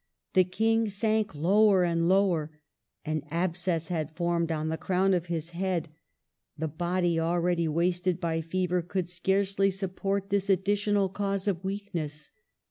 The King sank lower and lower. An abscess had formed on the crown of his head ; the body, already wasted by fever, could scarcely support this additional cause of weakness.